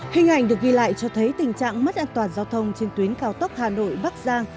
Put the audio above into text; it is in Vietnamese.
hình ảnh được ghi lại cho thấy tình trạng mất an toàn giao thông trên tuyến cao tốc hà nội bắc giang